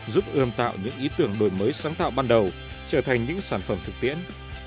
giúp ươm tạo những ý tưởng đổi mới sáng tạo ban đầu trở thành những sản phẩm thực tiễn